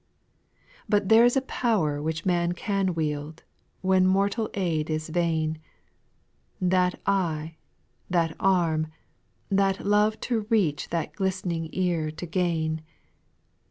4. But there 's a power which man can wield, When mortal aid is vain, That eye, that arm, that love to reach That listening ear to gain.